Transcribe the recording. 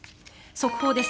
速報です。